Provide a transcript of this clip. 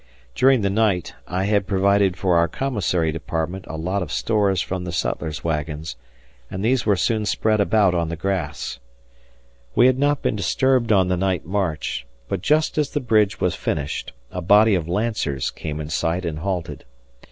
During the night I had provided for our commissary department a lot of stores from the sutlers' wagons, and these were soon spread about on the grass. We had not been disturbed on the night march, but just as the bridge was finished a body of lancers came in sight and halted.